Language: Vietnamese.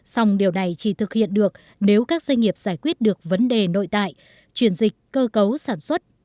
xong điều này chỉ thực hiện được nếu các doanh nghiệp giải quyết được vấn đề nội tại chuyển dịch cơ cấu sản xuất